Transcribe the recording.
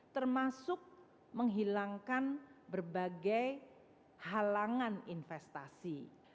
termasuk menghilangkan berbagai halangan investasi